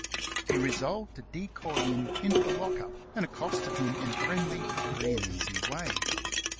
He resolved to decoy him into the lock up, and accosted him in a friendly, free and easy way.